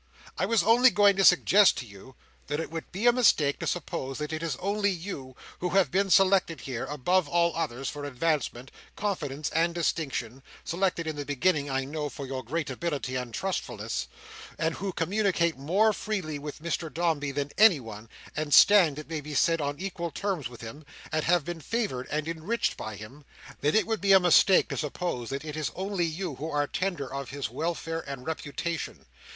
I was only going to suggest to you that it would be a mistake to suppose that it is only you, who have been selected here, above all others, for advancement, confidence and distinction (selected, in the beginning, I know, for your great ability and trustfulness), and who communicate more freely with Mr Dombey than anyone, and stand, it may be said, on equal terms with him, and have been favoured and enriched by him—that it would be a mistake to suppose that it is only you who are tender of his welfare and reputation.